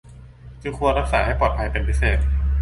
จึงควรรักษาให้ปลอดภัยเป็นพิเศษ